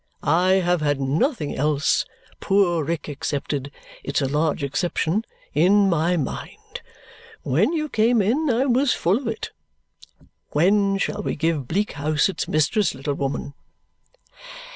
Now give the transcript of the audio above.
I have had nothing else, poor Rick excepted it's a large exception in my mind. When you came in, I was full of it. When shall we give Bleak House its mistress, little woman?"